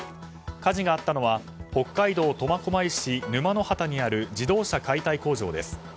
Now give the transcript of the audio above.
火事があったのは北海道苫小牧市沼ノ端にある自動車解体工場です。